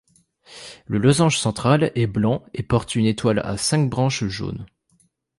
Le losange central est blanc et porte une étoile à cinq branches jaune.